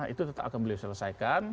itu tetap akan beliau selesaikan